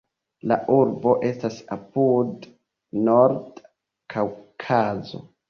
La urbo estas apud Norda Kaŭkazo.